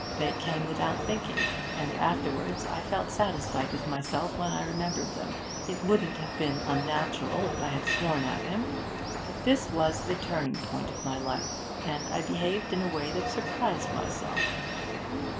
They came without thinking, and afterwards I felt satisfied with myself when I remembered them. It wouldn't have been unnatural if I had sworn at him, but this was the turning point of my life, and I behaved in a way that surprised myself.